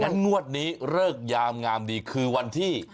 งวดนี้เลิกยามงามดีคือวันที่